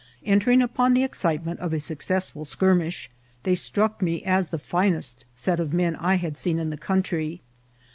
Entering under the excitement of a successful skirmish, they struck me as the finest set of men I had seen in the country.